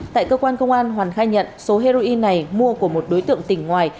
tại cơ quan công an hoàn khai nhận số heroin này mua của một đối tượng tỉnh ngoài